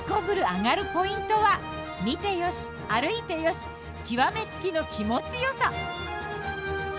アガるポイントは見てよし、歩いてよし極め付きの気持ちよさ。